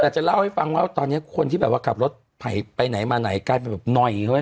แต่จะเล่าให้ฟังว่าตอนนี้คนที่แบบว่าขับรถไปไหนมาไหนกลายเป็นแบบหน่อยเว้